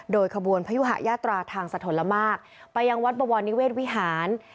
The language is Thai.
โดยขบวนพยุหะยาตราทางสะทนละมากไปยังวัดบวรนิเวศวิหาร